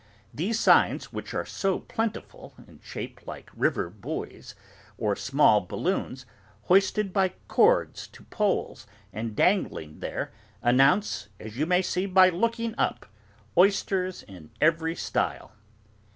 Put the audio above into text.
These signs which are so plentiful, in shape like river buoys, or small balloons, hoisted by cords to poles, and dangling there, announce, as you may see by looking up, 'OYSTERS IN EVERY STYLE.